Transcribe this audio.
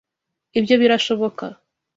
Ibyo birashoboka.